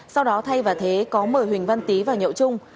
sau đó thay và thế có mời huỳnh văn tý vào nhậu trung